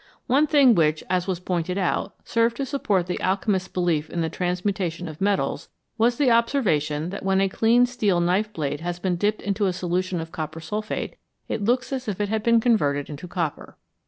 One thing which, as was pointed out, served to support the alchemists 1 belief in the transmutation of metals was the observation than when a clean steel knife blade has been dipped into a solution of copper sulphate it looks as if it had been converted into copper.